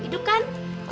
kita juga bergerak